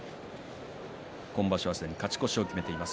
今場所はすでに勝ち越しを決めています。